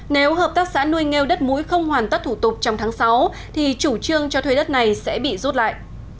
nếu hợp tác xã nuôi ngo đất mũi không hoàn tất thủ tục trong tháng sáu thì chủ trương cho thuê đất này sẽ bị rút lại